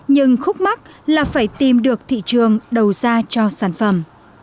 nhưng khúc mắt là phải tìm được thị trường đầu ra cho sản phẩm